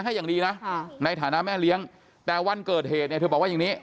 ให้อย่างดีนะในฐานะแม่เลี้ยงแต่วันเกิดเหตุเนี่ยเธอบอกว่าอย่างนี้